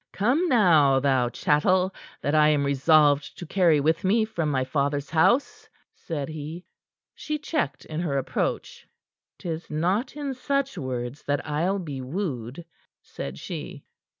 "Come now, thou chattel, that I am resolved to carry with me from my father's house," said he. She checked in her approach. "'Tis not in such words that I'll be wooed," said she.